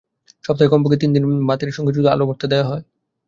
সপ্তাহে কমপক্ষে তিন দিন রাতে ভাতের সঙ্গে শুধু আলু ভর্তা দেওয়া হয়।